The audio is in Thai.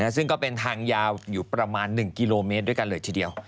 ซึ่งก็เป็นทางยาวอยู่ประมาณ๑กิโลเมตรด้วยกันเลยทีเดียว